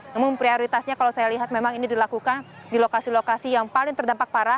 namun prioritasnya kalau saya lihat memang ini dilakukan di lokasi lokasi yang paling terdampak parah